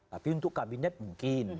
tapi untuk kabinet mungkin